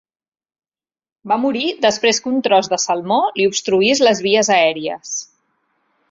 Va morir després que un tros de salmó li obstruís les vies aèries.